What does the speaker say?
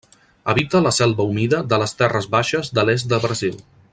Habita la selva humida de les terres baixes de l'est de Brasil.